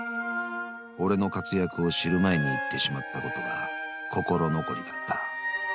［俺の活躍を知る前に逝ってしまったことが心残りだった］